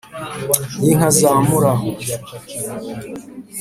y’inka za murahu,